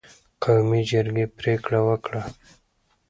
قومي جرګې پرېکړه وکړه